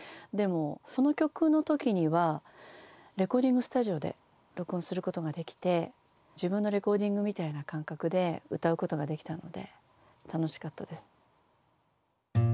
でもその曲の時にはレコーディングスタジオで録音することができて自分のレコーディングみたいな感覚で歌うことができたので楽しかったです。